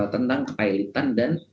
tentang kepailitan dan